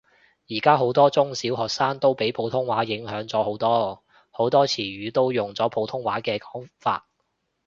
而家好多中小學生都俾普通話影響咗好多，好多詞語都用咗普通話嘅講法